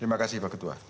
terima kasih pak ketua